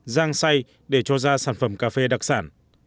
giang say để cho ra sản phẩm cà phê đặc sản